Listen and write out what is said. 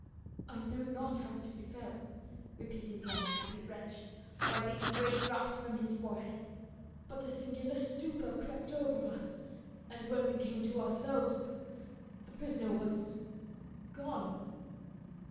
"I know not how it befell," repeated the unhappy wretch, wiping the great drops from his forehead, " but a singular stupor crept over us, and when we came to ourselves the — the prisoner was — gone."